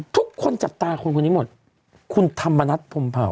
ทุกคนจับตาคนคนนี้หมดคุณธรรมนัฐพรมเผา